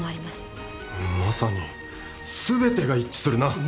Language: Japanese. まさに全てが一致するな。